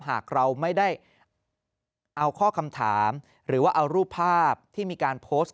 หากเราไม่ได้เอาข้อคำถามหรือว่าเอารูปภาพที่มีการโพสต์